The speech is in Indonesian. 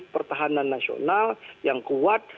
pertahanan nasional yang kuat